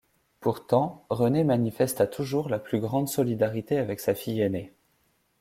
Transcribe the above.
Pourtant, Renée manifesta toujours la plus grande solidarité avec sa fille aînée.